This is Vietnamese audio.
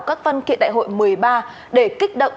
các văn kiện đại hội một mươi ba để kích động